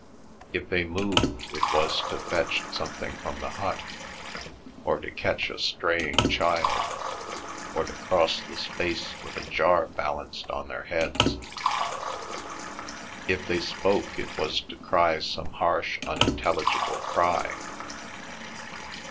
If they moved, it was to fetch something from the hut, or to catch a straying child, or to cross the space with a jar balanced on their heads; if they spoke, it was to cry some harsh unintelligible cry.